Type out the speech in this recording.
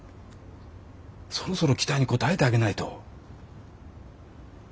そろそろ期待に応えてあげないと。